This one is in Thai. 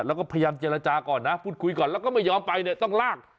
แล้วก็พยายามเจรจาก่อนนะพูดคุยก่อนแล้วก็ไม่ยอมไปเนี่ยต้องลาก